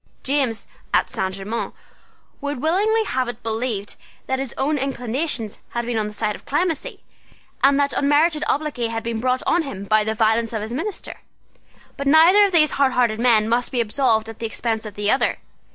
James, at Saint Germain's would willingly have had it believed that his own inclinations had been on the side of clemency, and that unmerited obloquy had been brought on him by the violence of his minister. But neither of these hardhearted men must be absolved at the expense of the other.